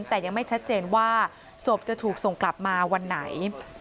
แต่ยังไม่ชัดเจนว่าศพจะถูกส่งกลับมาวันไหน